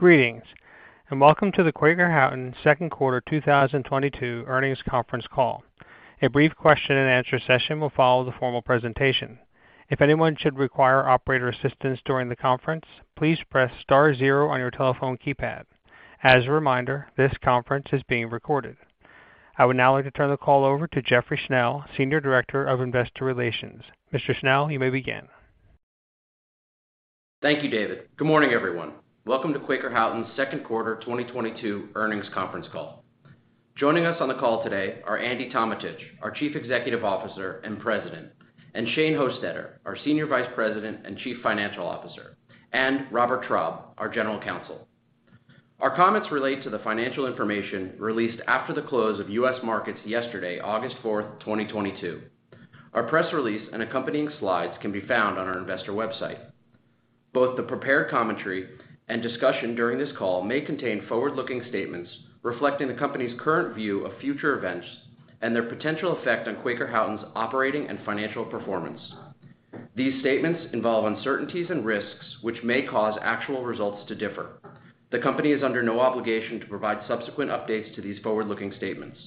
Greetings, and welcome to the Quaker Houghton Q2 2022 earnings conference call. A brief question and answer session will follow the formal presentation. If anyone should require operator assistance during the conference, please press star zero on your telephone keypad. As a reminder, this conference is being recorded. I would now like to turn the call over to Jeffrey Schnell, Senior Director of Investor Relations. Mr. Schnell, you may begin. Thank you, David. Good morning, everyone. Welcome to Quaker Houghton's Q2 2022 earnings conference call. Joining us on the call today are Andy Tometich, our Chief Executive Officer and President, and Shane Hostetter, our Senior Vice President and Chief Financial Officer, and Robert Traub, our General Counsel. Our comments relate to the financial information released after the close of U.S. markets yesterday, 4 August 2022. Our press release and accompanying slides can be found on our investor website. Both the prepared commentary and discussion during this call may contain forward-looking statements reflecting the company's current view of future events and their potential effect on Quaker Houghton's operating and financial performance. These statements involve uncertainties and risks which may cause actual results to differ. The company is under no obligation to provide subsequent updates to these forward-looking statements.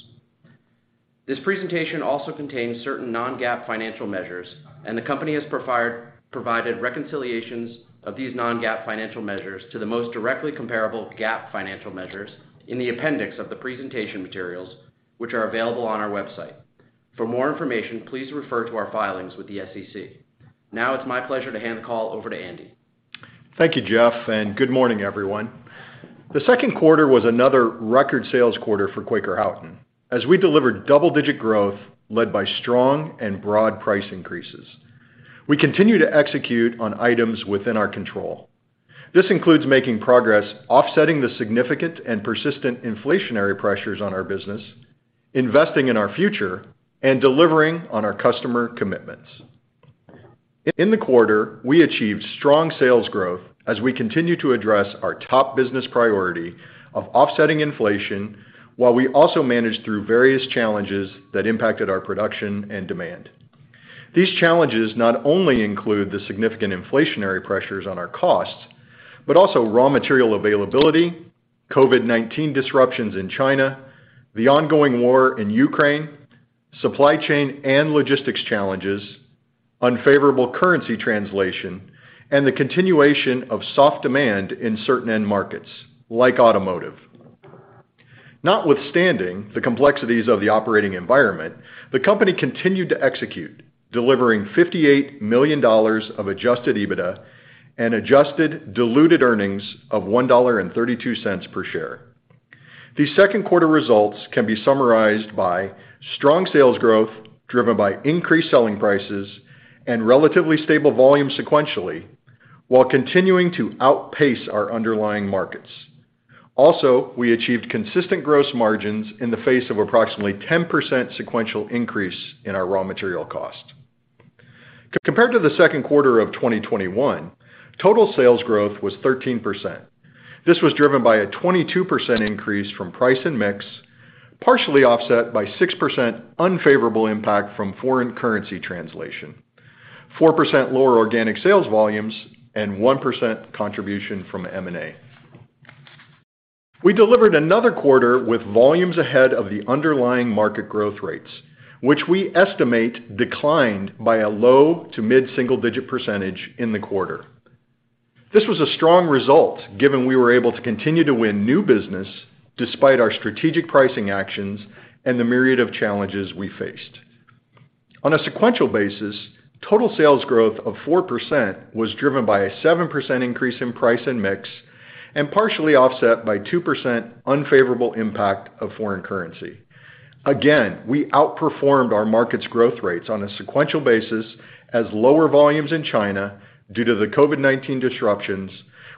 This presentation also contains certain non-GAAP financial measures, and the company has provided reconciliations of these non-GAAP financial measures to the most directly comparable GAAP financial measures in the appendix of the presentation materials, which are available on our website. For more information, please refer to our filings with the SEC. Now it's my pleasure to hand the call over to Andy. Thank you, Jeff, and good morning, everyone. The Q2 was another record sales quarter for Quaker Houghton as we delivered double-digit growth led by strong and broad price increases. We continue to execute on items within our control. This includes making progress offsetting the significant and persistent inflationary pressures on our business, investing in our future, and delivering on our customer commitments. In the quarter, we achieved strong sales growth as we continue to address our top business priority of offsetting inflation while we also managed through various challenges that impacted our production and demand. These challenges not only include the significant inflationary pressures on our costs, but also raw material availability, COVID-19 disruptions in China, the ongoing war in Ukraine, supply chain and logistics challenges, unfavorable currency translation, and the continuation of soft demand in certain end markets like automotive. Notwithstanding the complexities of the operating environment, the company continued to execute, delivering $58 million of adjusted EBITDA and adjusted diluted earnings of $1.32 per share. These Q2 results can be summarized by strong sales growth driven by increased selling prices and relatively stable volume sequentially, while continuing to outpace our underlying markets. Also, we achieved consistent gross margins in the face of approximately 10% sequential increase in our raw material cost. Compared to the Q2 of 2021, total sales growth was 13%. This was driven by a 22% increase from price and mix, partially offset by 6% unfavorable impact from foreign currency translation, 4% lower organic sales volumes, and 1% contribution from M&A. We delivered another quarter with volumes ahead of the underlying market growth rates, which we estimate declined by a low- to mid-single-digit percentage in the quarter. This was a strong result, given we were able to continue to win new business despite our strategic pricing actions and the myriad of challenges we faced. On a sequential basis, total sales growth of 4% was driven by a 7% increase in price and mix and partially offset by 2% unfavorable impact of foreign currency. Again, we outperformed our market's growth rates on a sequential basis as lower volumes in China, due to the COVID-19 disruptions,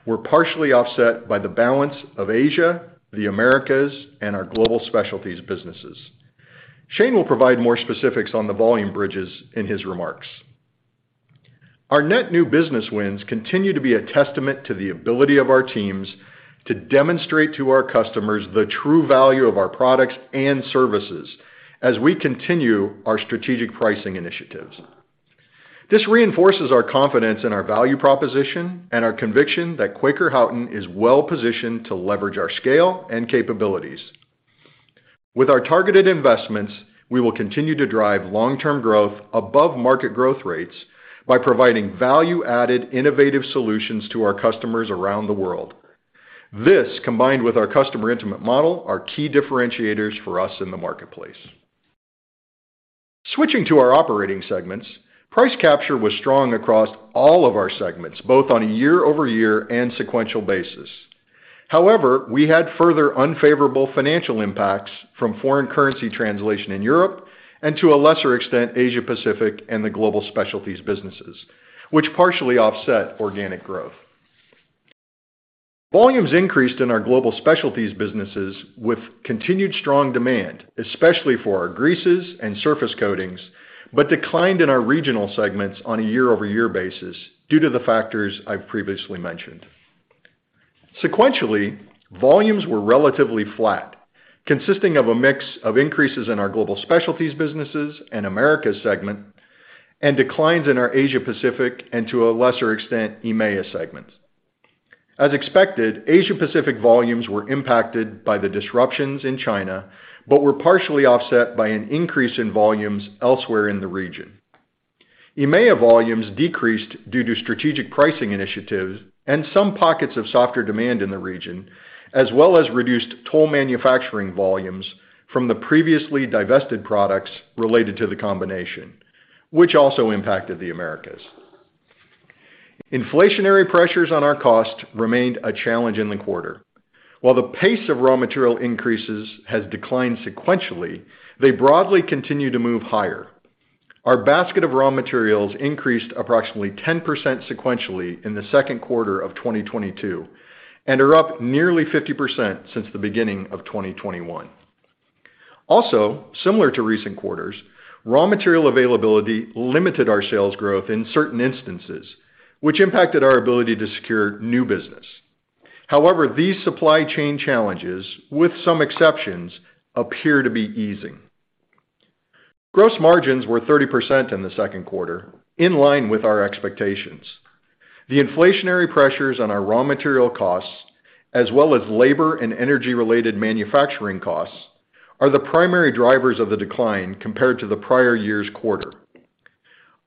were partially offset by the balance of Asia, the Americas, and our Global Specialties businesses. Shane will provide more specifics on the volume bridges in his remarks. Our net new business wins continue to be a testament to the ability of our teams to demonstrate to our customers the true value of our products and services as we continue our strategic pricing initiatives. This reinforces our confidence in our value proposition and our conviction that Quaker Houghton is well-positioned to leverage our scale and capabilities. With our targeted investments, we will continue to drive long-term growth above market growth rates by providing value-added, innovative solutions to our customers around the world. This, combined with our customer intimate model, are key differentiators for us in the marketplace. Switching to our operating segments, price capture was strong across all of our segments, both on a year-over-year and sequential basis. However, we had further unfavorable financial impacts from foreign currency translation in Europe, and to a lesser extent, Asia-Pacific and the Global Specialties businesses, which partially offset organic growth. Volumes increased in our Global Specialties businesses with continued strong demand, especially for our greases and surface coatings, but declined in our regional segments on a year-over-year basis due to the factors I've previously mentioned. Sequentially, volumes were relatively flat, consisting of a mix of increases in our Global Specialties businesses and Americas segment and declines in our Asia Pacific and, to a lesser extent, EMEA segments. As expected, Asia Pacific volumes were impacted by the disruptions in China, but were partially offset by an increase in volumes elsewhere in the region. EMEA volumes decreased due to strategic pricing initiatives and some pockets of softer demand in the region, as well as reduced toll manufacturing volumes from the previously divested products related to the combination, which also impacted the Americas. Inflationary pressures on our cost remained a challenge in the quarter. While the pace of raw material increases has declined sequentially, they broadly continue to move higher. Our basket of raw materials increased approximately 10% sequentially in the Q2 of 2022 and are up nearly 50% since the beginning of 2021. Also, similar to recent quarters, raw material availability limited our sales growth in certain instances, which impacted our ability to secure new business. However, these supply chain challenges, with some exceptions, appear to be easing. Gross margins were 30% in the Q2, in line with our expectations. The inflationary pressures on our raw material costs, as well as labor and energy-related manufacturing costs, are the primary drivers of the decline compared to the prior year's quarter.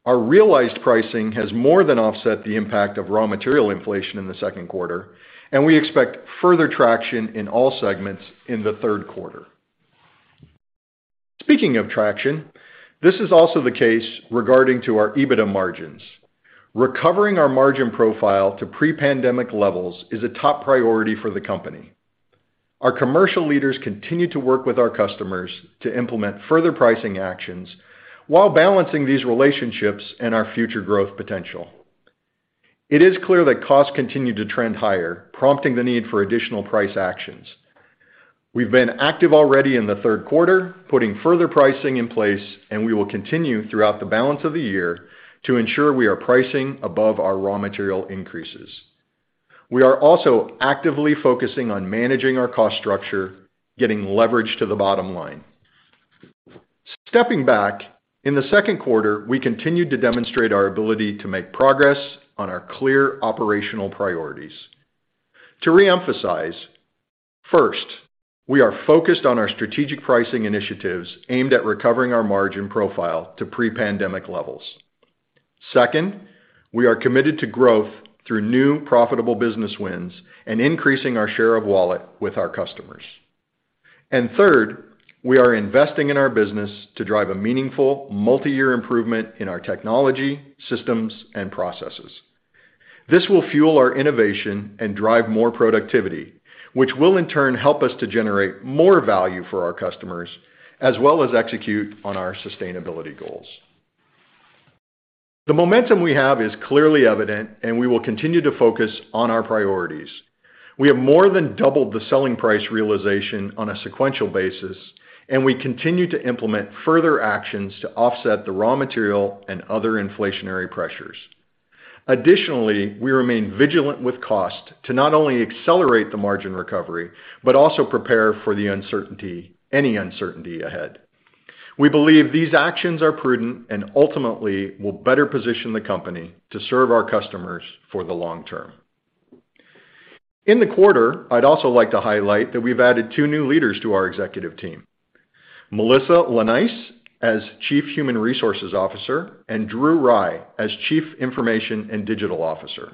Our realized pricing has more than offset the impact of raw material inflation in the Q2, and we expect further traction in all segments in the Q3. Speaking of traction, this is also the case regarding to our EBITDA margins. Recovering our margin profile to pre-pandemic levels is a top priority for the company. Our commercial leaders continue to work with our customers to implement further pricing actions while balancing these relationships and our future growth potential. It is clear that costs continue to trend higher, prompting the need for additional price actions. We've been active already in the Q3, putting further pricing in place, and we will continue throughout the balance of the year to ensure we are pricing above our raw material increases. We are also actively focusing on managing our cost structure, getting leverage to the bottom line. Stepping back, in the Q2, we continued to demonstrate our ability to make progress on our clear operational priorities. To reemphasize, first, we are focused on our strategic pricing initiatives aimed at recovering our margin profile to pre-pandemic levels. Second, we are committed to growth through new profitable business wins and increasing our share of wallet with our customers. Third, we are investing in our business to drive a meaningful, multi-year improvement in our technology, systems, and processes. This will fuel our innovation and drive more productivity, which will in turn help us to generate more value for our customers, as well as execute on our sustainability goals. The momentum we have is clearly evident, and we will continue to focus on our priorities. We have more than doubled the selling price realization on a sequential basis, and we continue to implement further actions to offset the raw material and other inflationary pressures. Additionally, we remain vigilant with cost to not only accelerate the margin recovery, but also prepare for the uncertainty, any uncertainty ahead. We believe these actions are prudent and ultimately will better position the company to serve our customers for the long term. In the quarter, I'd also like to highlight that we've added two new leaders to our executive team, Melissa Leneis as Chief Human Resources Officer and Anna Ransley as Chief Information and Digital Officer.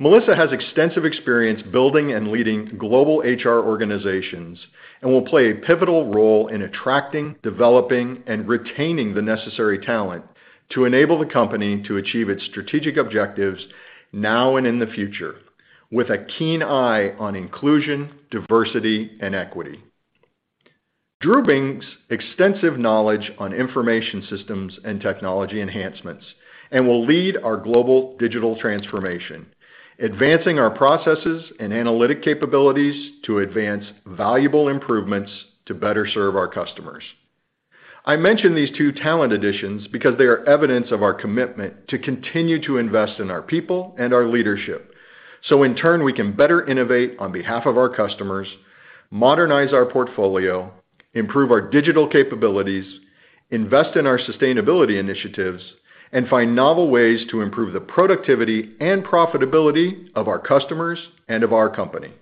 Melissa has extensive experience building and leading global HR organizations and will play a pivotal role in attracting, developing, and retaining the necessary talent to enable the company to achieve its strategic objectives now and in the future with a keen eye on inclusion, diversity, and equity. Drew brings extensive knowledge on information systems and technology enhancements and will lead our global digital transformation, advancing our processes and analytic capabilities to advance valuable improvements to better serve our customers. I mention these two talent additions because they are evidence of our commitment to continue to invest in our people and our leadership. In turn, we can better innovate on behalf of our customers, modernize our portfolio, improve our digital capabilities, invest in our sustainability initiatives, and find novel ways to improve the productivity and profitability of our customers and of our company.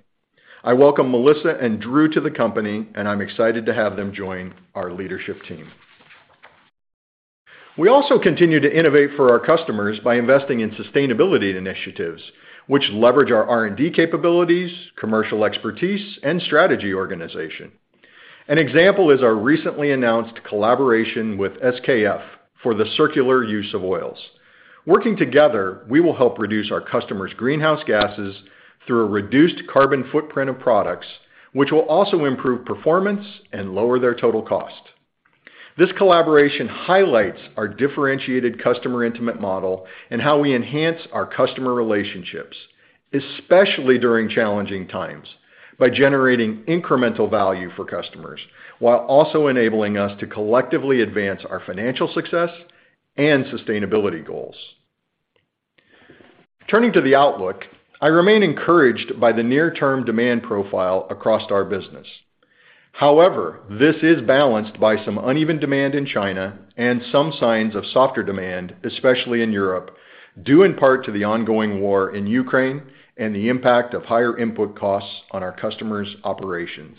I welcome Melissa and Drew to the company, and I'm excited to have them join our leadership team. We also continue to innovate for our customers by investing in sustainability initiatives, which leverage our R&D capabilities, commercial expertise, and strategy organization. An example is our recently announced collaboration with SKF for the circular use of oils. Working together, we will help reduce our customers' greenhouse gases through a reduced carbon footprint of products, which will also improve performance and lower their total cost. This collaboration highlights our differentiated customer intimate model and how we enhance our customer relationships, especially during challenging times, by generating incremental value for customers, while also enabling us to collectively advance our financial success and sustainability goals. Turning to the outlook, I remain encouraged by the near term demand profile across our business. However, this is balanced by some uneven demand in China and some signs of softer demand, especially in Europe, due in part to the ongoing war in Ukraine and the impact of higher input costs on our customers' operations.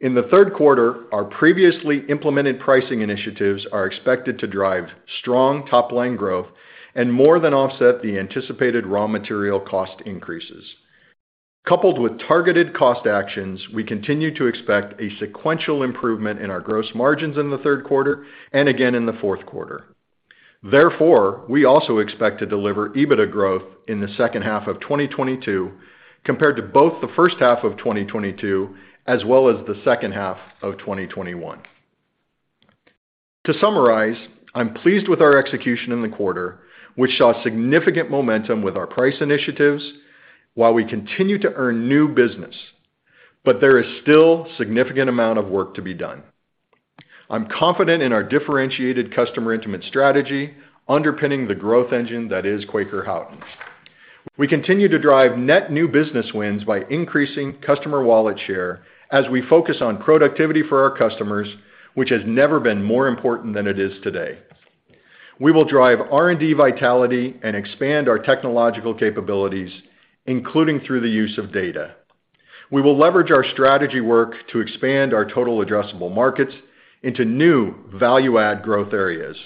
In the Q3, our previously implemented pricing initiatives are expected to drive strong top line growth and more than offset the anticipated raw material cost increases. Coupled with targeted cost actions, we continue to expect a sequential improvement in our gross margins in the Q3 and again in the Q4. Therefore, we also expect to deliver EBITDA growth in the second half of 2022 compared to both the first half of 2022 as well as the second half of 2021. To summarize, I'm pleased with our execution in the quarter, which saw significant momentum with our price initiatives while we continue to earn new business, but there is still significant amount of work to be done. I'm confident in our differentiated customer intimate strategy underpinning the growth engine that is Quaker Houghton. We continue to drive net new business wins by increasing customer wallet share as we focus on productivity for our customers, which has never been more important than it is today. We will drive R&D vitality and expand our technological capabilities, including through the use of data. We will leverage our strategy work to expand our total addressable markets into new value add growth areas.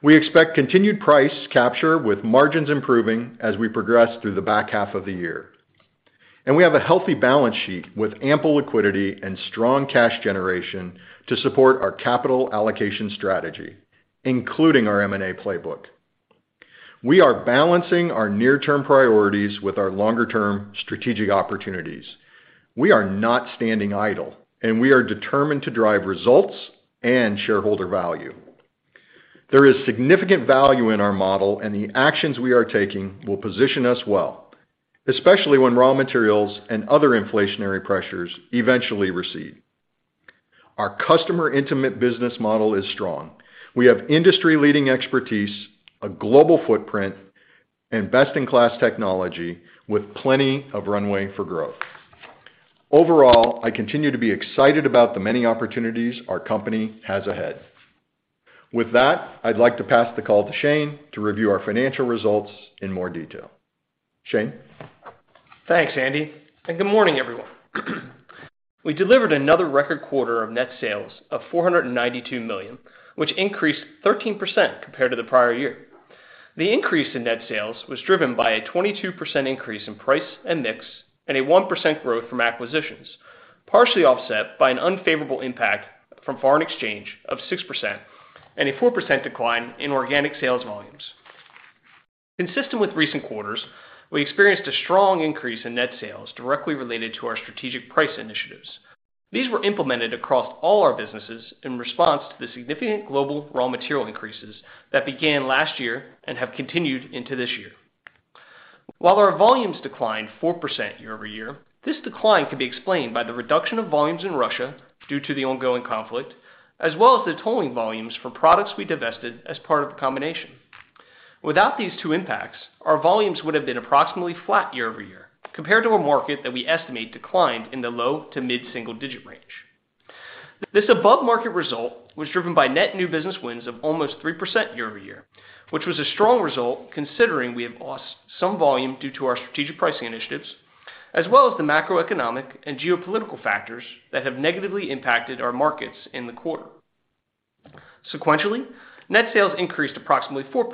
We expect continued price capture with margins improving as we progress through the back half of the year. We have a healthy balance sheet with ample liquidity and strong cash generation to support our capital allocation strategy, including our M&A playbook. We are balancing our near term priorities with our longer term strategic opportunities. We are not standing idle, and we are determined to drive results and shareholder value. There is significant value in our model, and the actions we are taking will position us well, especially when raw materials and other inflationary pressures eventually recede. Our customer intimate business model is strong. We have industry leading expertise, a global footprint, and best in class technology with plenty of runway for growth. Overall, I continue to be excited about the many opportunities our company has ahead. With that, I'd like to pass the call to Shane to review our financial results in more detail. Shane? Thanks, Andy, and good morning, everyone. We delivered another record quarter of net sales of $492 million, which increased 13% compared to the prior year. The increase in net sales was driven by a 22% increase in price and mix, and a 1% growth from acquisitions, partially offset by an unfavorable impact from foreign exchange of 6% and a 4% decline in organic sales volumes. Consistent with recent quarters, we experienced a strong increase in net sales directly related to our strategic price initiatives. These were implemented across all our businesses in response to the significant global raw material increases that began last year and have continued into this year. While our volumes declined 4% year-over-year, this decline can be explained by the reduction of volumes in Russia due to the ongoing conflict, as well as the tolling volumes for products we divested as part of the combination. Without these two impacts, our volumes would have been approximately flat year-over-year compared to a market that we estimate declined in the low- to mid-single-digit range. This above market result was driven by net new business wins of almost 3% year-over-year, which was a strong result considering we have lost some volume due to our strategic pricing initiatives, as well as the macroeconomic and geopolitical factors that have negatively impacted our markets in the quarter. Sequentially, net sales increased approximately 4%.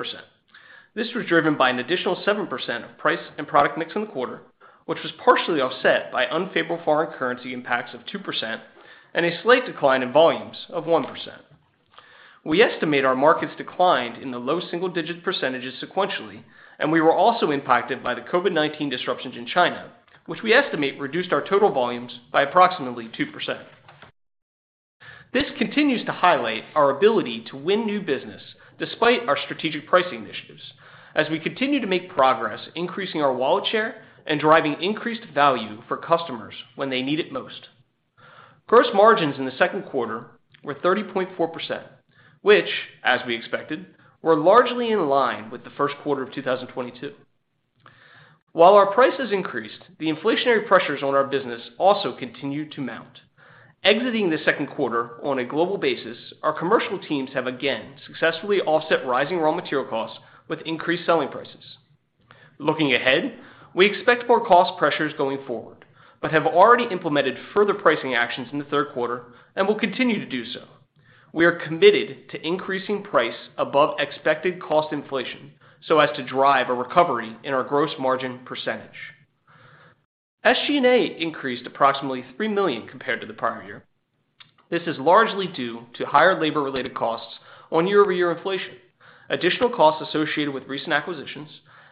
This was driven by an additional 7% of price and product mix in the quarter, which was partially offset by unfavorable foreign currency impacts of 2% and a slight decline in volumes of 1%. We estimate our markets declined in the low single digit percentages sequentially, and we were also impacted by the COVID-19 disruptions in China, which we estimate reduced our total volumes by approximately 2%. This continues to highlight our ability to win new business despite our strategic pricing initiatives as we continue to make progress increasing our wallet share and driving increased value for customers when they need it most. Gross margins in the Q2 were 30.4%, which, as we expected, were largely in line with the Q1 of 2022. While our prices increased, the inflationary pressures on our business also continued to mount. Exiting the Q2 on a global basis, our commercial teams have again successfully offset rising raw material costs with increased selling prices. Looking ahead, we expect more cost pressures going forward, but have already implemented further pricing actions in the Q3 and will continue to do so. We are committed to increasing price above expected cost inflation so as to drive a recovery in our gross margin percentage. SG&A increased approximately $3 million compared to the prior year. This is largely due to higher labor-related costs on year-over-year inflation, additional costs associated with recent acquisitions,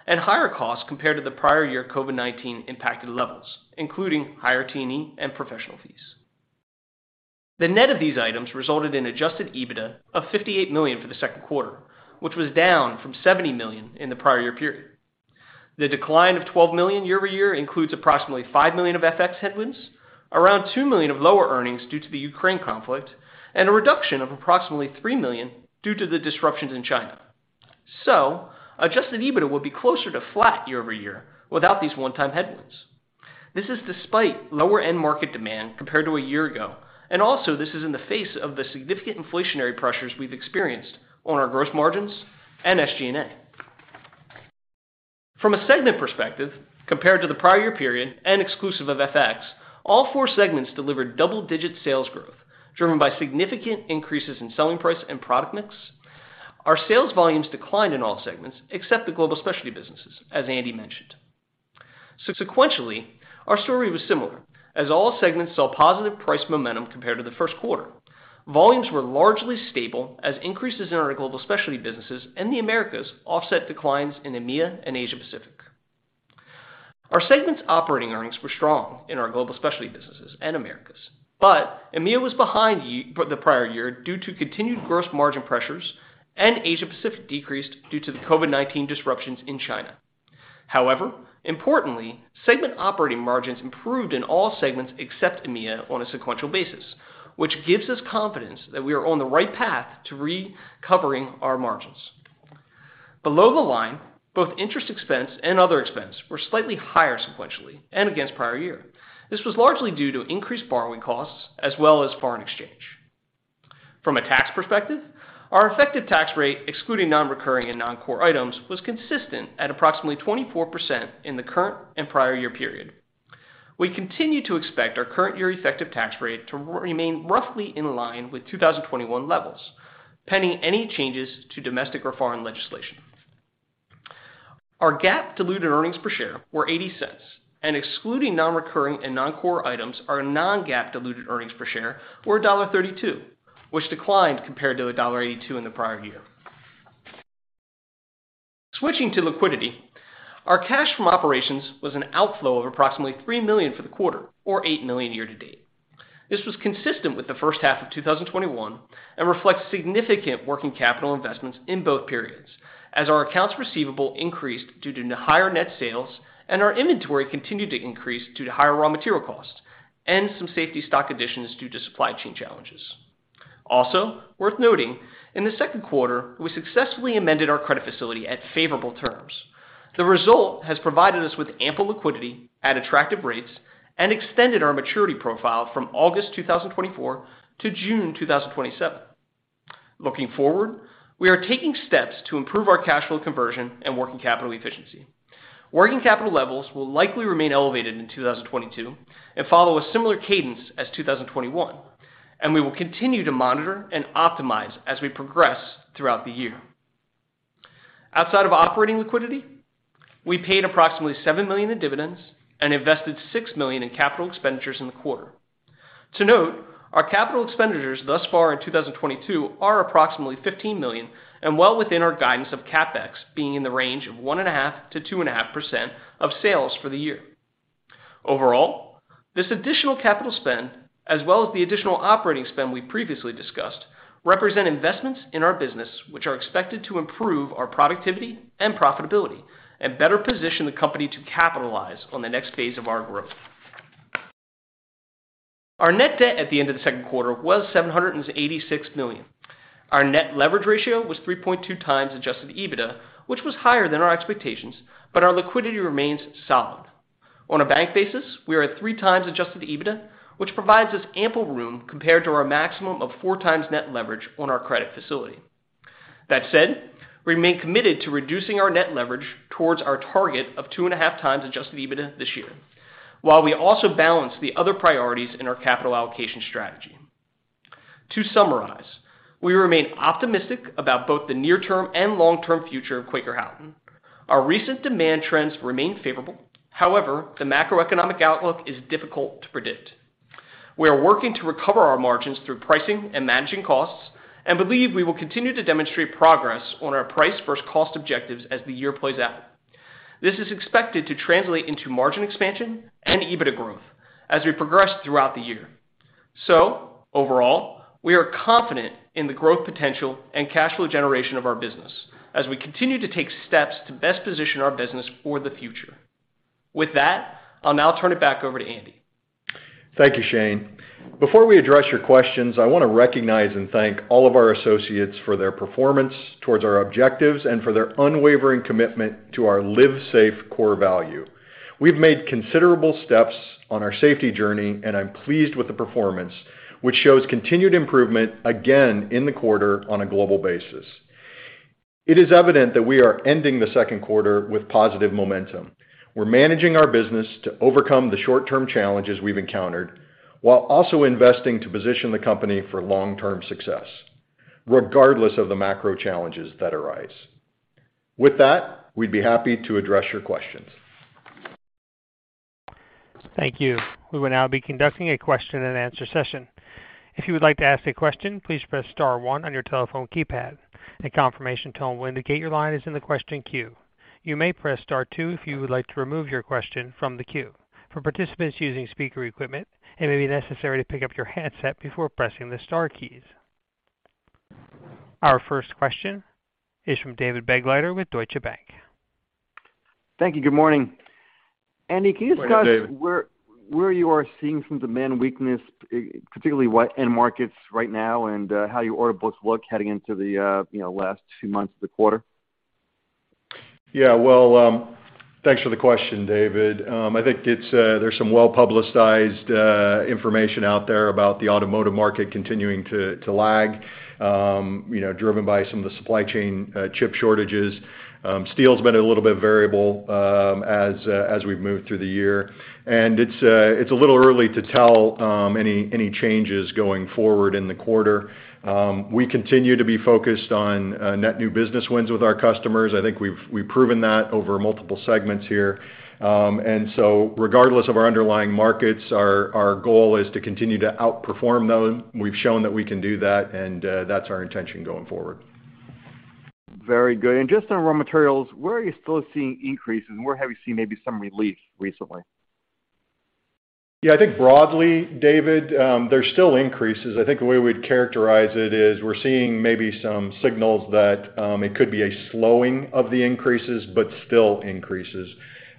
and higher costs compared to the prior year COVID-19-impacted levels, including higher T&E and professional fees. The net of these items resulted in adjusted EBITDA of $58 million for the Q2, which was down from $70 million in the prior year period. The decline of $12 million year-over-year includes approximately $5 million of FX headwinds, around $2 million of lower earnings due to the Ukraine conflict, and a reduction of approximately $3 million due to the disruptions in China. Adjusted EBITDA will be closer to flat year-over-year without these one-time headwinds. This is despite lower end market demand compared to a year ago, and also this is in the face of the significant inflationary pressures we've experienced on our gross margins and SG&A. From a segment perspective, compared to the prior year period and exclusive of FX, all four segments delivered double-digit sales growth, driven by significant increases in selling price and product mix. Our sales volumes declined in all segments except the Global Specialties, as Andy mentioned. Sequentially, our story was similar as all segments saw positive price momentum compared to the Q1. Volumes were largely stable as increases in our Global Specialties in the Americas offset declines in EMEA and Asia Pacific. Our segment's operating earnings were strong in our Global Specialties and Americas, but EMEA was behind the prior year due to continued gross margin pressures, and Asia Pacific decreased due to the COVID-19 disruptions in China. However, importantly, segment operating margins improved in all segments except EMEA on a sequential basis, which gives us confidence that we are on the right path to recovering our margins. Below the line, both interest expense and other expense were slightly higher sequentially and against prior year. This was largely due to increased borrowing costs as well as foreign exchange. From a tax perspective, our effective tax rate, excluding non-recurring and non-core items, was consistent at approximately 24% in the current and prior year period. We continue to expect our current year effective tax rate to remain roughly in line with 2021 levels, pending any changes to domestic or foreign legislation. Our GAAP diluted earnings per share were $0.80, and excluding non-recurring and non-core items, our non-GAAP diluted earnings per share were $1.32, which declined compared to $1.82 in the prior year. Switching to liquidity, our cash from operations was an outflow of approximately $3 million for the quarter or $8 million year-to-date. This was consistent with the first half of 2021 and reflects significant working capital investments in both periods as our accounts receivable increased due to higher net sales and our inventory continued to increase due to higher raw material costs and some safety stock additions due to supply chain challenges. Also worth noting, in the Q2, we successfully amended our credit facility at favorable terms. The result has provided us with ample liquidity at attractive rates and extended our maturity profile from August 2024 to June 2027. Looking forward, we are taking steps to improve our cash flow conversion and working capital efficiency. Working capital levels will likely remain elevated in 2022 and follow a similar cadence as 2021, and we will continue to monitor and optimize as we progress throughout the year. Outside of operating liquidity, we paid approximately $7 million in dividends and invested $6 million in capital expenditures in the quarter. To note, our capital expenditures thus far in 2022 are approximately $15 million and well within our guidance of CapEx being in the range of 1.5% to 2.5% of sales for the year. Overall, this additional capital spend, as well as the additional operating spend we previously discussed, represent investments in our business which are expected to improve our productivity and profitability and better position the company to capitalize on the next phase of our growth. Our net debt at the end of the Q2 was $786 million. Our net leverage ratio was 3.2x adjusted EBITDA, which was higher than our expectations, but our liquidity remains solid. On a bank basis, we are at 3x adjusted EBITDA, which provides us ample room compared to our maximum of 4x net leverage on our credit facility. That said, we remain committed to reducing our net leverage towards our target of 2.5x adjusted EBITDA this year, while we also balance the other priorities in our capital allocation strategy. To summarize, we remain optimistic about both the near-term and long-term future of Quaker Houghton. Our recent demand trends remain favorable. However, the macroeconomic outlook is difficult to predict. We are working to recover our margins through pricing and managing costs, and believe we will continue to demonstrate progress on our price versus cost objectives as the year plays out. This is expected to translate into margin expansion and EBITDA growth as we progress throughout the year. Overall, we are confident in the growth potential and cash flow generation of our business as we continue to take steps to best position our business for the future. With that, I'll now turn it back over to Andy. Thank you, Shane. Before we address your questions, I wanna recognize and thank all of our associates for their performance towards our objectives and for their unwavering commitment to our Live Safe core value. We've made considerable steps on our safety journey, and I'm pleased with the performance, which shows continued improvement again in the quarter on a global basis. It is evident that we are ending the Q2 with positive momentum. We're managing our business to overcome the short-term challenges we've encountered while also investing to position the company for long-term success, regardless of the macro challenges that arise. With that, we'd be happy to address your questions. Thank you. We will now be conducting a question and answer session. If you would like to ask a question, please press star one on your telephone keypad. A confirmation tone will indicate your line is in the question queue. You may press star two if you would like to remove your question from the queue. For participants using speaker equipment, it may be necessary to pick up your handset before pressing the star keys. Our first question is from David Begleiter with Deutsche Bank. Thank you. Good morning. Andy, can you discuss?- Good morning, David. -where you are seeing some demand weakness, particularly which end markets right now and how your order books look heading into the you know, last few months of the quarter? Yeah. Well, thanks for the question, David. I think it's, there's some well-publicized information out there about the automotive market continuing to lag, you know, driven by some of the supply chain chip shortages. Steel's been a little bit variable, as we've moved through the year. It's a little early to tell any changes going forward in the quarter. We continue to be focused on net new business wins with our customers i think we've proven that over multiple segments here. Regardless of our underlying markets, our goal is to continue to outperform those we've shown that we can do that, and, that's our intention going forward. Very good just on raw materials, where are you still seeing increases and where have you seen maybe some relief recently? Yeah, I think broadly, David, there's still increases i think the way we'd characterize it is we're seeing maybe some signals that it could be a slowing of the increases, but still increases.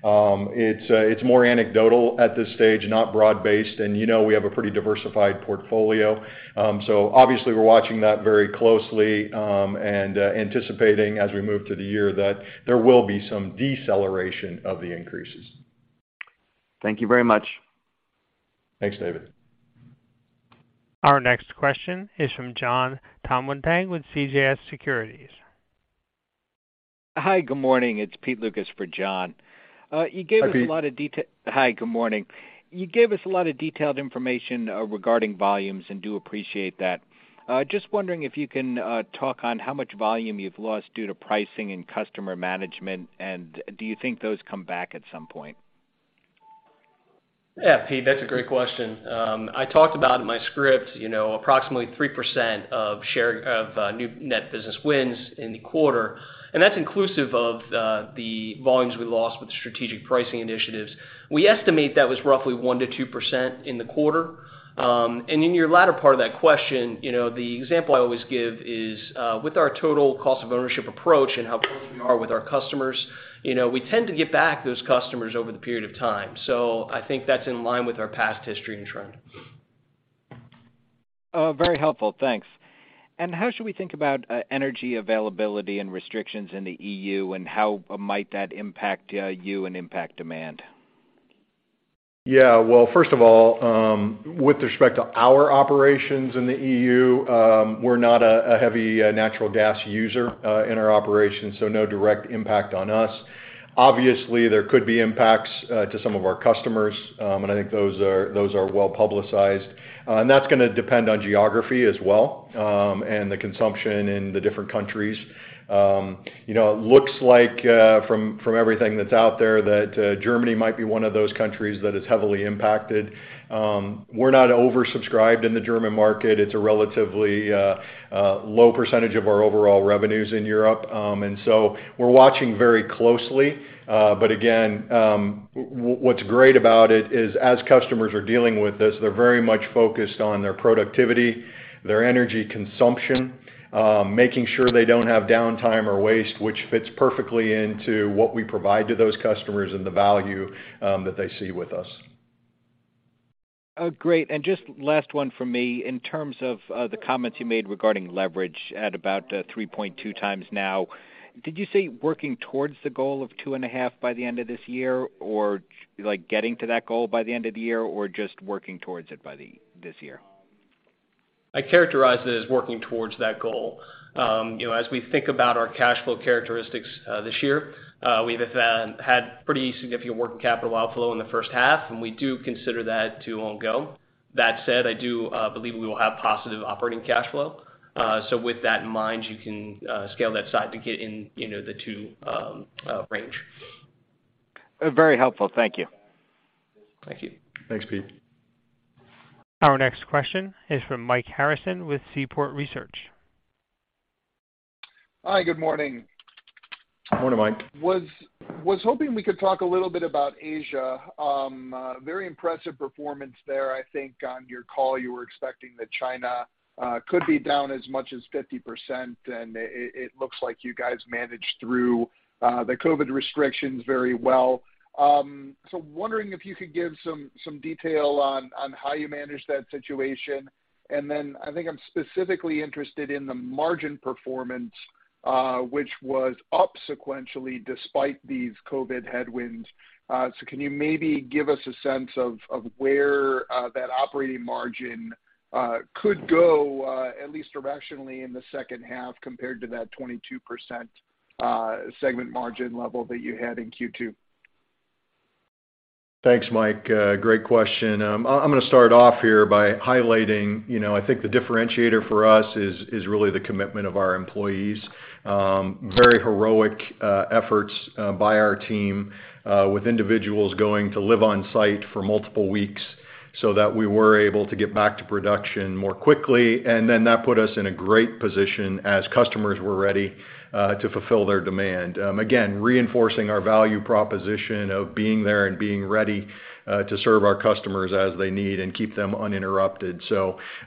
It's more anecdotal at this stage, not broad-based, and you know we have a pretty diversified portfolio. Obviously we're watching that very closely, and anticipating as we move through the year that there will be some deceleration of the increases. Thank you very much. Thanks, David. Our next question is from Jon Tanwanteng with CJS Securities. Hi, good morning. It's Peter Lucas for Jon. You gave us a lot of Hi, Peter. Hi, good morning. You gave us a lot of detailed information regarding volumes and do appreciate that. Just wondering if you can talk on how much volume you've lost due to pricing and customer management, and do you think those come back at some point? Yeah, Pete, that's a great question. I talked about in my script, you know, approximately 3% share of new net business wins in the quarter, and that's inclusive of the volumes we lost with strategic pricing initiatives. We estimate that was roughly 1% to 2% in the quarter. In your latter part of that question, you know, the example I always give is with our Total Cost of Ownership approach and how close we are with our customers, you know, we tend to get back those customers over the period of time. I think that's in line with our past history and trend. Very helpful thanks. How should we think about energy availability and restrictions in the EU, and how might that impact you and impact demand? Yeah. Well, first of all, with respect to our operations in the EU, we're not a heavy natural gas user in our operations, so no direct impact on us. Obviously, there could be impacts to some of our customers, and I think those are well-publicized. That's gonna depend on geography as well, and the consumption in the different countries. You know, it looks like from everything that's out there, that Germany might be one of those countries that is heavily impacted. We're not oversubscribed in the German market it's a relatively low percentage of our overall revenues in Europe. We're watching very closely, but again, what's great about it is, as customers are dealing with this, they're very much focused on their productivity, their energy consumption, making sure they don't have downtime or waste, which fits perfectly into what we provide to those customers and the value that they see with us. Great. Just last one from me. In terms of the comments you made regarding leverage at about 3.2x now, did you say working towards the goal of 2.5 by the end of this year, or like getting to that goal by the end of the year, or just working towards it by this year? I characterize it as working towards that goal. You know, as we think about our cash flow characteristics, this year, we've had pretty significant working capital outflow in the first half, and we do consider that'll all go. That said, I do believe we will have positive operating cash flow. With that in mind, you can scale that side to get in, you know, the $2 range. Very helpful. Thank you. Thank you. Thanks, Pete. Our next question is from Mike Harrison with Seaport Research. Hi, good morning. Morning, Mike. I was hoping we could talk a little bit about Asia. A very impressive performance there. I think on your call, you were expecting that China could be down as much as 50%, and it looks like you guys managed through the COVID restrictions very well. Wondering if you could give some detail on how you managed that situation. I think I'm specifically interested in the margin performance, which was up sequentially despite these COVID headwinds. Can you maybe give us a sense of where that operating margin could go, at least directionally in the second half compared to that 22% segment margin level that you had in Q2? Thanks, Mike. Great question. I'm gonna start off here by highlighting, you know, I think the differentiator for us is really the commitment of our employees. Very heroic efforts by our team with individuals going to live on site for multiple weeks. That we were able to get back to production more quickly, and then that put us in a great position as customers were ready to fulfill their demand, again, reinforcing our value proposition of being there and being ready to serve our customers as they need and keep them uninterrupted.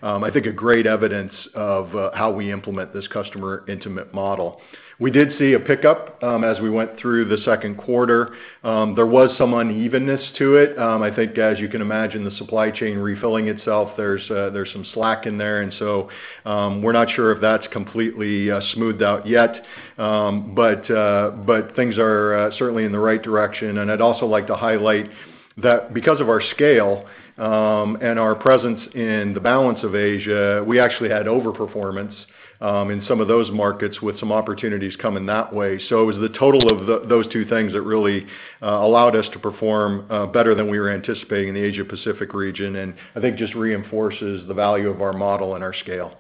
I think a great evidence of how we implement this customer intimate model. We did see a pickup as we went through the Q2. There was some unevenness to it. I think as you can imagine, the supply chain refilling itself, there's some slack in there, and so, we're not sure if that's completely smoothed out yet. Things are certainly in the right direction i'd also like to highlight that because of our scale, and our presence in the balance of Asia, we actually had overperformance in some of those markets with some opportunities coming that way so the total of those two things that really allowed us to perform better than we were anticipating in the Asia Pacific region, and I think just reinforces the value of our model and our scale.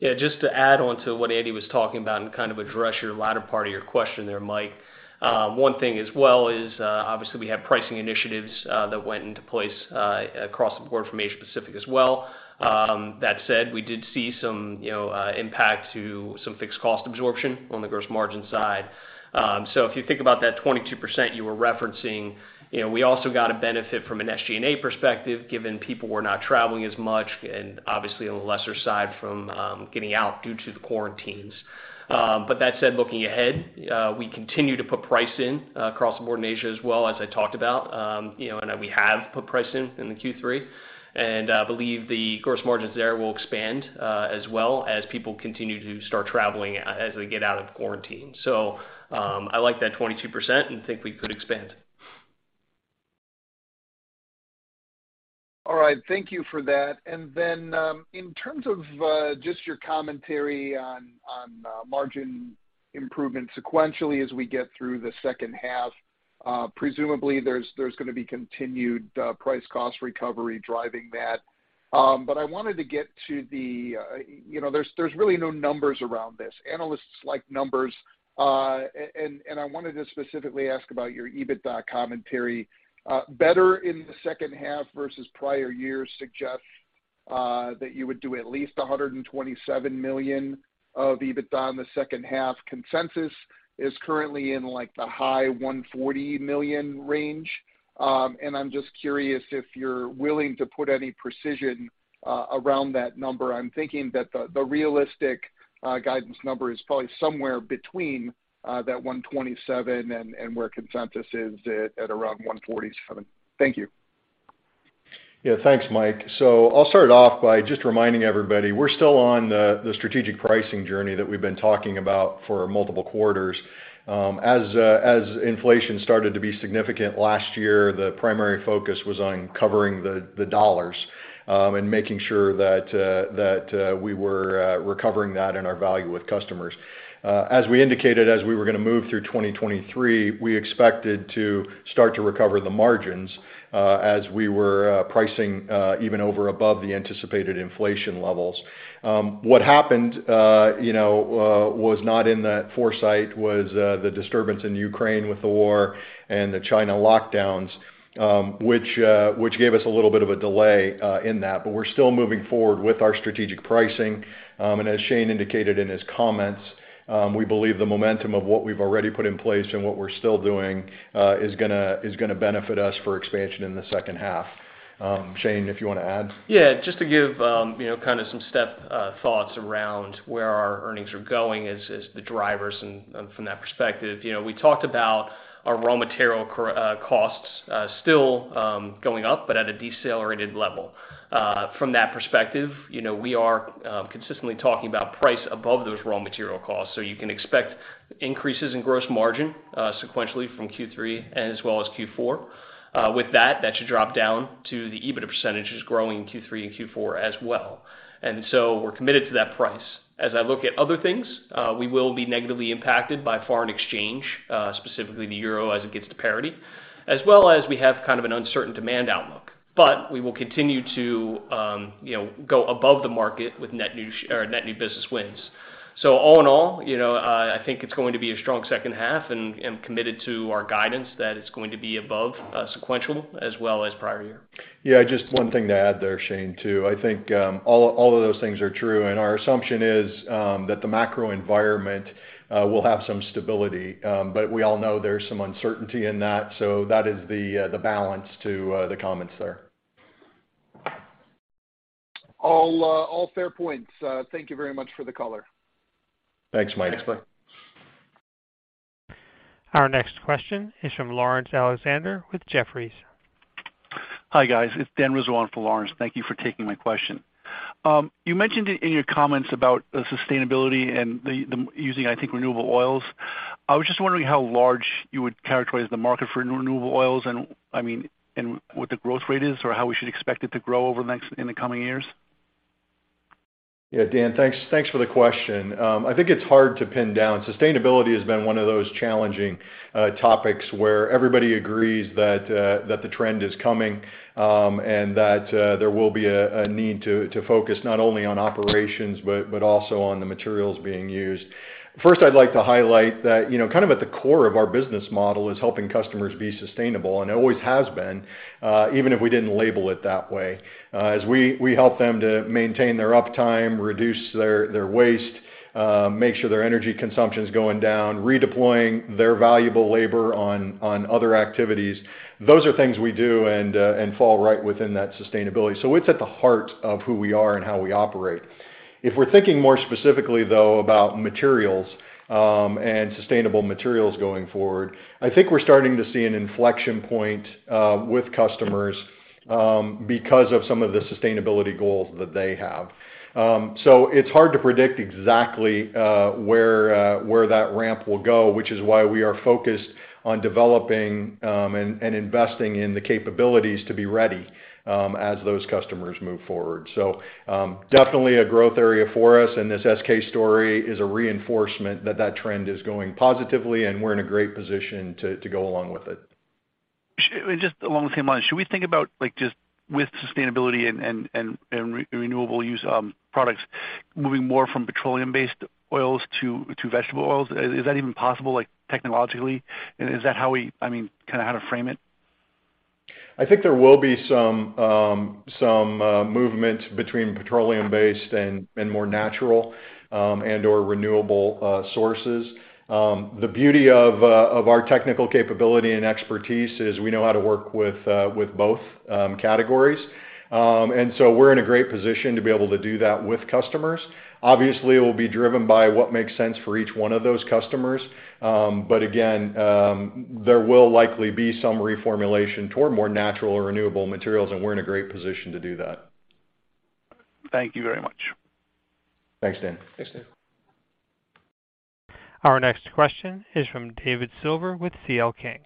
Yeah. Just to add on to what Andy was talking about and kind of address your latter part of your question there, Mike. One thing as well is, obviously we have pricing initiatives that went into place across the board from Asia Pacific as well. That said, we did see some, you know, impact to some fixed cost absorption on the gross margin side. If you think about that 22% you were referencing, you know, we also got a benefit from an SG&A perspective, given people were not traveling as much and obviously on the lesser side from getting out due to the quarantines. That said, looking ahead, we continue to put price in across the board in Asia as well, as I talked about, you know, and that we have put price in in the Q3, and believe the gross margins there will expand, as well as people continue to start traveling as we get out of quarantine. I like that 22% and think we could expand. All right. Thank you for that. Then, in terms of just your commentary on margin improvement sequentially as we get through the second half, presumably there's gonna be continued price cost recovery driving that. I wanted to get to the, you know, there's really no numbers around this analysts like numbers- -and i wanted to specifically ask about your EBITDA commentary, better in the second half versus prior years suggests that you would do at least $127 million of EBITDA in the second half. Consensus is currently in, like, the high $140 million range. I'm just curious if you're willing to put any precision around that number i'm thinking that the realistic guidance number is probably somewhere between $127 and where consensus is at around $147. Thank you. Yeah. Thanks, Mike. I'll start off by just reminding everybody, we're still on the strategic pricing journey that we've been talking about for multiple quarters. As inflation started to be significant last year, the primary focus was on covering the dollars and making sure that we were recovering that in our value with customers. As we indicated, as we were gonna move through 2023, we expected to start to recover the margins as we were pricing even over and above the anticipated inflation levels. What happened, you know, was not in the foresight was the disturbance in Ukraine with the war and the China lockdowns, which gave us a little bit of a delay in that we're still moving forward with our strategic pricing. As Shane indicated in his comments, we believe the momentum of what we've already put in place and what we're still doing is gonna benefit us for expansion in the second half. Shane, if you wanna add? Yeah. Just to give, you know, kind of some step thoughts around where our earnings are going as the drivers and from that perspective you know, we talked about our raw material costs still going up, but at a decelerated level. From that perspective, you know, we are consistently talking about price above those raw material costs so you can expect increases in gross margin sequentially from Q3 and as well as Q4. With that should drop down to the EBITDA percentage is growing in Q3 and Q4 as well. We're committed to that price. As I look at other things, we will be negatively impacted by foreign exchange, specifically the euro as it gets to parity, as well as we have kind of an uncertain demand outlook. We will continue to, you know, go above the market with net new or net new business wins. All in all, you know, I think it's going to be a strong second half, and I'm committed to our guidance that it's going to be above sequential as well as prior year. Yeah just one thing to add there, Shane, too i think all of those things are true, and our assumption is that the macro environment will have some stability. But we all know there's some uncertainty in that. That is the balance to the comments there. All fair points. Thank you very much for the color. Thanks, Mike. Thanks, Mike. Our next question is from Laurence Alexander with Jefferies. Hi, guys. It's Dan Dolev for Laurence thank you for taking my question. You mentioned in your comments about sustainability and using, I think, renewable oils. I was just wondering how large you would characterize the market for renewable oils and, I mean, and what the growth rate is or how we should expect it to grow in the coming years? Yeah, Dan, thanks for the question. I think it's hard to pin down sustainability has been one of those challenging topics where everybody agrees that the trend is coming, and that there will be a need to focus not only on operations but also on the materials being used. First, I'd like to highlight that, you know, kind of at the core of our business model is helping customers be sustainable, and it always has been, even if we didn't label it that way. As we help them to maintain their uptime, reduce their waste, make sure their energy consumption is going down, redeploying their valuable labor on other activities. Those are things we do and fall right within that sustainability so it's at the heart of who we are and how we operate. If we're thinking more specifically, though, about materials, and sustainable materials going forward, I think we're starting to see an inflection point, with customers, because of some of the sustainability goals that they have. It's hard to predict exactly, where that ramp will go, which is why we are focused on developing, and investing in the capabilities to be ready, as those customers move forward. Definitely a growth area for us, and this SKF story is a reinforcement that that trend is going positively, and we're in a great position to go along with it. Just along the same lines, should we think about like just with sustainability and renewable use, products moving more from petroleum-based oils to vegetable oils? Is that even possible, like technologically? Is that how we I mean, kind of how to frame it? I think there will be some movement between petroleum-based and more natural and/or renewable sources. The beauty of our technical capability and expertise is we know how to work with both categories. We're in a great position to be able to do that with customers. Obviously, it will be driven by what makes sense for each one of those customers. Again, there will likely be some reformulation toward more natural or renewable materials, and we're in a great position to do that. Thank you very much. Thanks, Dan. Thanks, Dan. Our next question is from David Silver with C.L. King.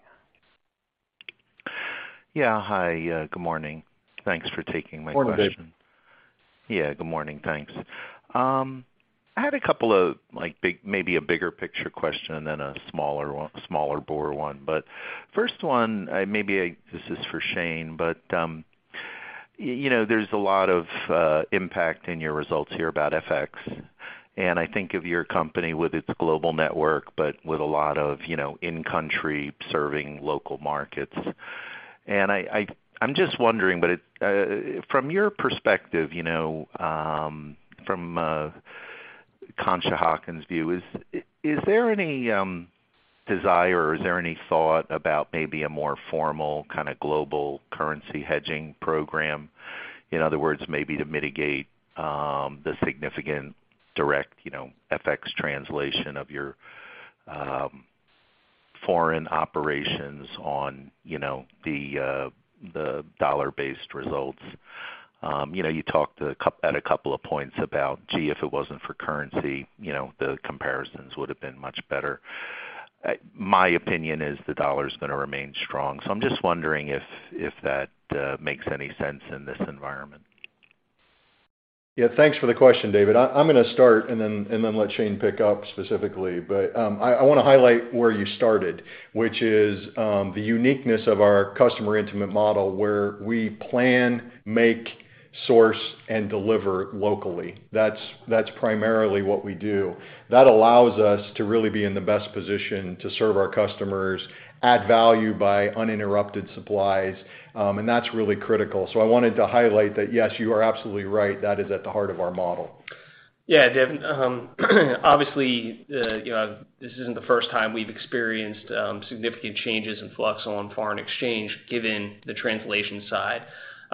Yeah. Hi. Good morning. Thanks for taking my question. Morning, David. Yeah. Good morning thanks. I had a couple of, like, maybe a bigger picture question, then a smaller one, smaller, boring one. First one, maybe this is for Shane, but you know, there's a lot of impact in your results here about FX. And I think of your company with its global network, but with a lot of, you know, in country serving local markets. I'm just wondering, from your perspective, you know, from Conshohocken view, is there any desire or is there any thought about maybe a more formal kind of global currency hedging program? In other words, maybe to mitigate the significant direct, you know, FX translation of your foreign operations on, you know, the dollar-based results. You know, you talked at a couple of points about, gee, if it wasn't for currency, you know, the comparisons would have been much better. My opinion is the US dollar is gonna remain strong, so I'm just wondering if that makes any sense in this environment. Yeah, thanks for the question, David. I'm gonna start and then let Shane pick up specifically. I wanna highlight where you started, which is the uniqueness of our customer intimate model where we plan, make, source and deliver locally that's primarily what we do. That allows us to really be in the best position to serve our customers, add value by uninterrupted supplies, and that's really critical so i wanted to highlight that yes, you are absolutely right, that is at the heart of our model. Yeah, David. Obviously, you know, this isn't the first time we've experienced significant changes in FX on foreign exchange given the translation side.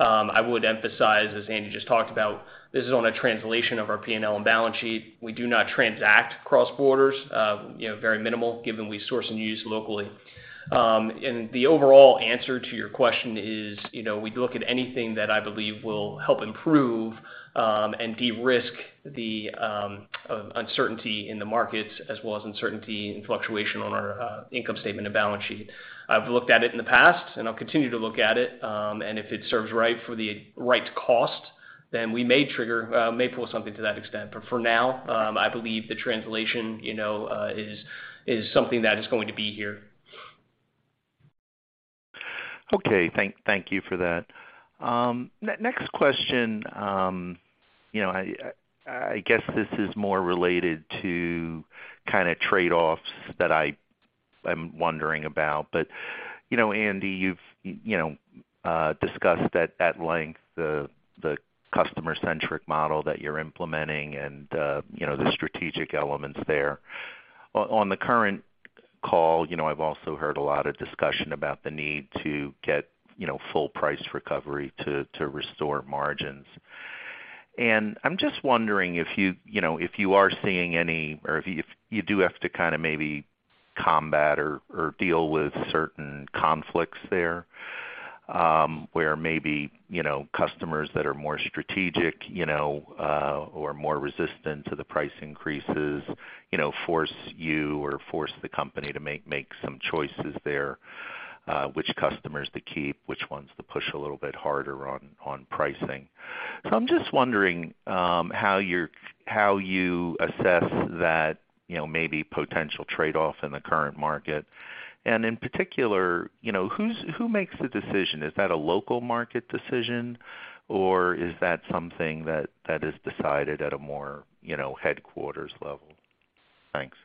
I would emphasize, as Andy just talked about, this is on a translation of our P&L and balance sheet. We do not transact cross-border, you know, very minimal given we source and use locally. The overall answer to your question is, you know, we look at anything that i believe will help improve and de-risk the uncertainty in the markets as well as uncertainty and fluctuation on our income statement and balance sheet. I've looked at it in the past, and I'll continue to look at it, and if it serves right for the right cost, then we may pull something to that extent for now, I believe the translation, you know, is something that is going to be here. Okay. Thank you for that. Next question, you know, I guess this is more related to kind of trade-offs that i am wondering about. You know, Andy, you've you know, discussed at length the customer-centric model that you're implementing and, you know, the strategic elements there. On the current call, you know, I've also heard a lot of discussion about the need to get, you know, full price recovery to restore margins. I'm just wondering if you are seeing any or if you do have to kind of maybe combat or deal with certain conflicts there, where maybe, you know, customers that are more strategic, you know, or more resistant to the price increases, you know, force you or force the company to make some choices there. Which customers to keep, which ones to push a little bit harder on pricing. I'm just wondering how you assess that, you know, maybe potential trade-off in the current market. In particular, you know, who makes the decision? Is that a local market decision, or is that something that is decided at a more, you know, headquarters level? Thanks.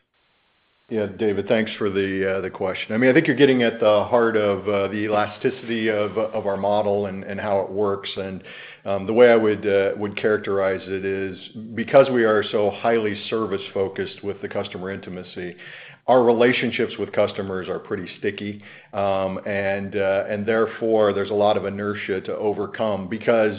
Yeah. David, thanks for the question i mean, I think you're getting at the heart of the elasticity of our model and how it works. The way I would characterize it is because we are so highly service-focused with the customer intimacy, our relationships with customers are pretty sticky. Therefore, there's a lot of inertia to overcome because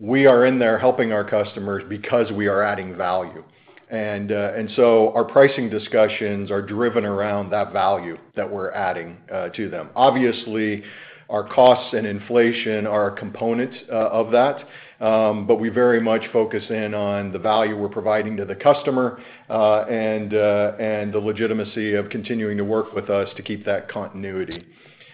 we are in there helping our customers because we are adding value. Our pricing discussions are driven around that value that we're adding to them obviously, our costs and inflation are components of that, but we very much focus in on the value we're providing to the customer and the legitimacy of continuing to work with us to keep that continuity.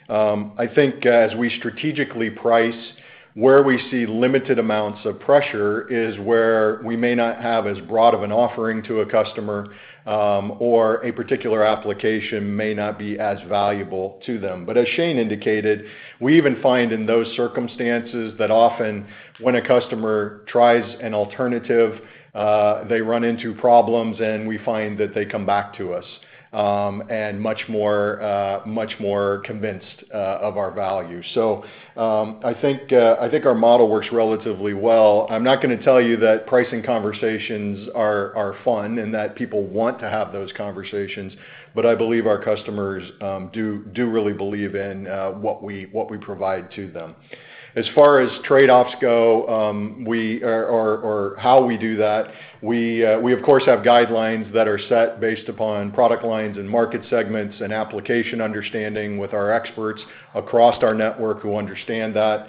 I think as we strategically price where we see limited amounts of pressure is where we may not have as broad of an offering to a customer, or a particular application may not be as valuable to them but as Shane indicated, we even find in those circumstances that often when a customer tries an alternative, they run into problems, and we find that they come back to us, and much more convinced of our value. I think our model works relatively well. I'm not gonna tell you that pricing conversations are fun and that people want to have those conversations, but I believe our customers do really believe in what we provide to them. As far as trade-offs go, or how we do that, we, of course, have guidelines that are set based upon product lines and market segments and application understanding with our experts across our network who understand that.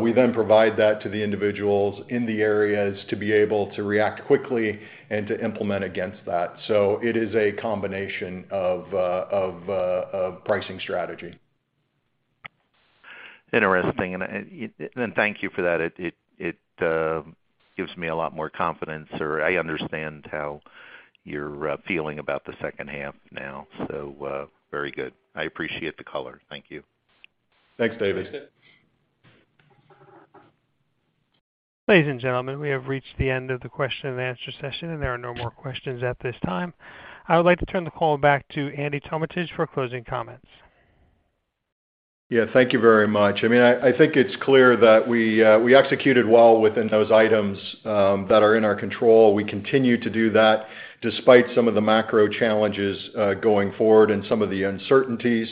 We then provide that to the individuals in the areas to be able to react quickly and to implement against that so it is a combination of pricing strategy. Interesting. Thank you for that. It gives me a lot more confidence, or I understand how you're feeling about the second half now. Very good. I appreciate the color. Thank you. Thanks, David. Ladies and gentlemen, we have reached the end of the question and answer session, and there are no more questions at this time. I would like to turn the call back to Andy Tometich for closing comments. Yeah, thank you very much, I think it's clear that we executed well within those items that are in our control we continue to do that, despite some of the macro challenges going forward and some of the uncertainties.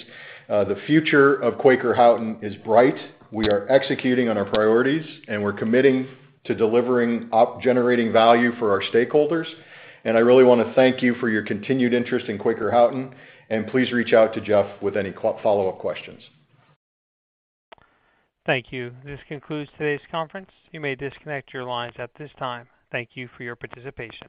The future of Quaker Houghton is bright. We are executing on our priorities, and we're committing to generating value for our stakeholders. I really wanna thank you for your continued interest in Quaker Houghton, and please reach out to Jeff with any follow-up questions. Thank you. This concludes today's conference. You may disconnect your lines at this time. Thank you for your participation.